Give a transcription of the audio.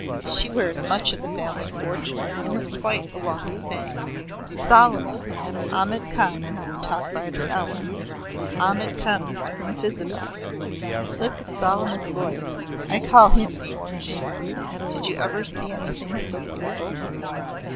She wears much of the family fortune and is quite a walking bank. Salama, Ahmad Khan and I talk by the hour. Ahmad comes from Fyzabad. Look at Salama's boy I call him the Orange Imp. Did you ever see anything so beautiful?"